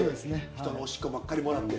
人のオシッコばっかりもらって。